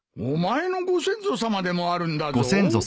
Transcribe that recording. お前のご先祖さまでもあるんだぞ。